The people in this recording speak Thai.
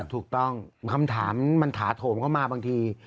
ถูกต้องคำถามมันถาโถมเข้ามาบางที